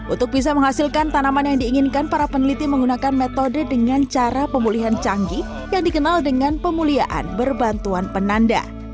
untuk bisa menghasilkan tanaman yang diinginkan para peneliti menggunakan metode dengan cara pemulihan canggih yang dikenal dengan pemuliaan berbantuan penanda